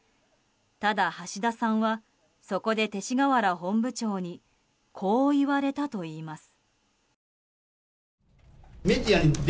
ただ、橋田さんはそこで勅使河原本部長にこう言われたといいます。